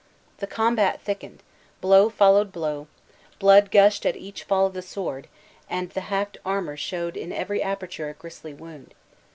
The combat thickened; blow followed blow; blood gushed at each fall of the sword; and the hacked armor showed in every aperture a grisly wound.